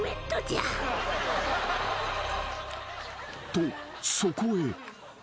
［とそこへ］